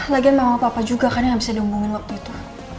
lagian mama papa juga kan yang bisa dihubungin waktu itu